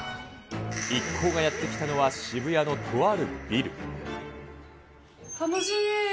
一行がやって来たのは渋谷の楽しみ。